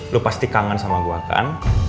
lu pasti kangen sama gue kan